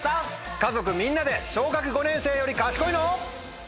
家族みんなで小学５年生より賢いの？